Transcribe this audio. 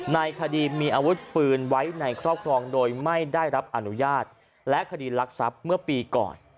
ในคดีมีอาวุธปืนไว้ในครอบครองโดยไม่ได้รับอนุญาตและคดีรักทรัพย์เมื่อปีก่อน